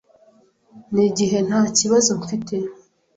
Ni igihe nta kibazo mfite